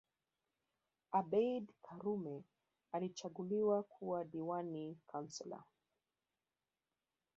Abeid Karume alichaguliwa kuwa diwani Councillor